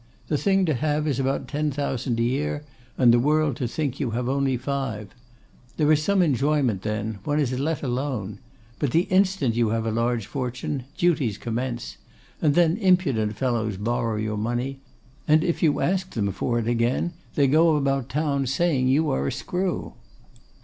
The thing to have is about ten thousand a year, and the world to think you have only five. There is some enjoyment then; one is let alone. But the instant you have a large fortune, duties commence. And then impudent fellows borrow your money; and if you ask them for it again, they go about town saying you are a screw.